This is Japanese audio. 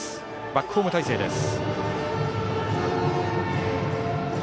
バックホーム態勢です。